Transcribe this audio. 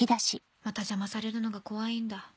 「また邪魔されるのが怖いんだ」。